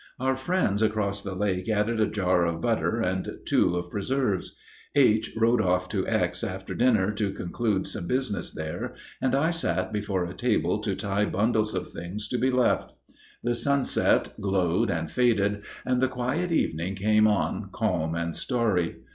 Our friends across the lake added a jar of butter and two of preserves. H. rode off to X. after dinner to conclude some business there, and I sat down before a table to tie bundles of things to be left. The sunset glowed and faded, and the quiet evening came on calm and starry.